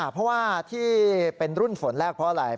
เพราะว่าที่เป็นรุ่นฝนแรกเพราะอะไร